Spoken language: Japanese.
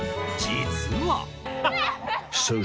実は。